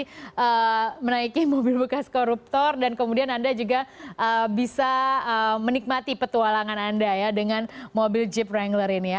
jadi menaiki mobil bekas koruptor dan kemudian anda juga bisa menikmati petualangan anda ya dengan mobil jeep wrangler ini ya